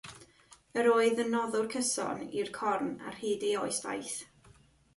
Yr oedd yn noddwr cyson i'r Corn ar hyd ei oes faith.